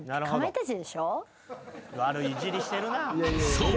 ［そう］